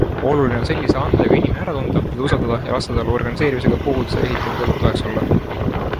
Oluline on sellise andega inimene ära tunda, teda usaldada ja lasta tal organiseerimisega koguduse ehitamisel toeks olla.